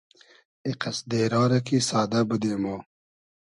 ای قئس دېرا رۂ کی سادۂ بودې مۉ